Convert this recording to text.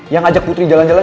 yang ajak putri jalan jalan